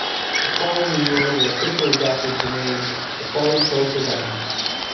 The following year they officially adopted the name "The Folly Cove Designers".